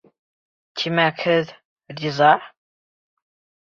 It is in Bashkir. Тимәк, һеҙ... риза?!